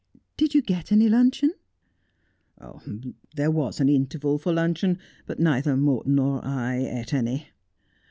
Did you get any luncheon ?'' There was an interval for luncheon, but neither Morton nor I eat any.'